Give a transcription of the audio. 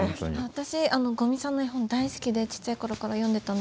私五味さんの絵本大好きでちっちゃい頃から読んでたんですけど。